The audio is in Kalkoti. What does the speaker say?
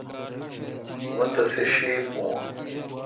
مہ تیسے شیتھ بھون۔